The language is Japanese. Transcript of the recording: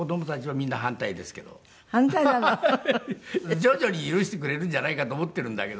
徐々に許してくれるんじゃないかと思っているんだけど。